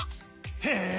へえ！